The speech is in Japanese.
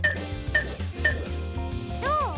どう？